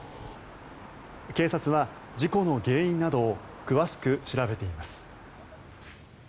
警察は事故の原因などを詳しく調べています。